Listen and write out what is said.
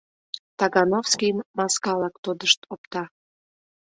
Тагановскийым маскалак тодышт опта.